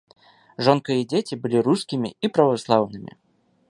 Жонка і дзеці былі рускімі і праваслаўнымі.